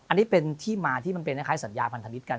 อันนี้เป็นที่มาที่มันเป็นคล้ายสัญญาพันธมิตรกัน